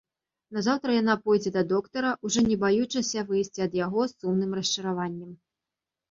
Назаўтра яна пойдзе да доктара, ужо не баючыся выйсці ад яго з сумным расчараваннем.